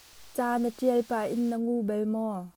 Ca na ṭial pah in na ngu bal maw?